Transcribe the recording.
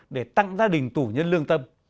để tăng gia đình tủ nhân lương tâm